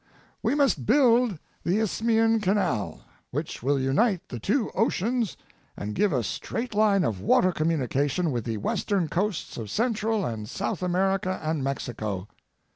We must build the Isthmian Canal, which will unite the two oceans and give a straight line of water communication with the western coasts of Cen tral and South America and Mexico.